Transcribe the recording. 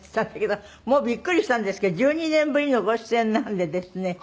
もうびっくりしたんですけど１２年ぶりのご出演なんでですね